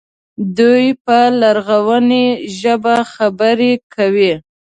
دوی په لرغونې ژبه خبرې کوي.